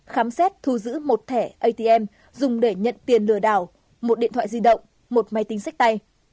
khám xét thu giữ một thẻ atm dùng để nhận tiền lừa đảo một điện thoại di động một máy tính sách tay